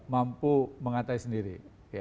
mampu mengatai sendiri